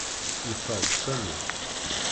Yeffeɣ-d Sami.